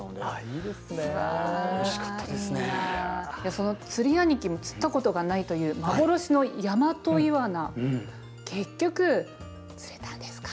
その釣り兄貴も釣ったことがないという幻のヤマトイワナ結局釣れたんですか？